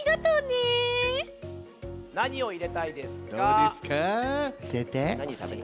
なにをいれたいですか？